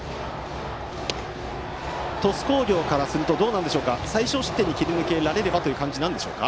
鳥栖工業からすると最少失点に切り抜けられればという感じでしょうか。